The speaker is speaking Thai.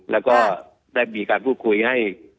และก็มีการพูดคุยให้